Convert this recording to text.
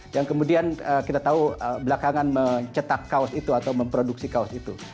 yang kemudian kita tahu belakangan mencetak kaos itu atau memproduksi kaos itu